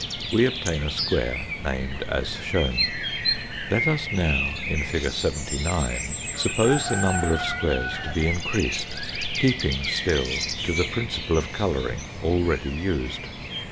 We obtain a square named as shown. Let us now, in fig. 79, suppose the number of squares to be increased, keeping still to the principle of colouring already used.